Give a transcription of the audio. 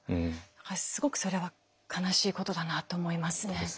だからすごくそれは悲しいことだなって思いますね。